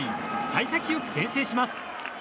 幸先良く先制します。